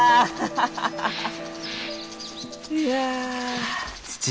いや。